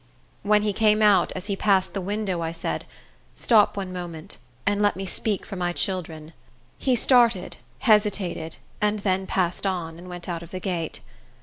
When he came out, as he passed the window, I said, "Stop one moment, and let me speak for my children." He started, hesitated, and then passed on, and went out of the gate.